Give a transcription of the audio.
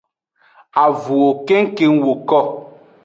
Avunwo kengkeng woko.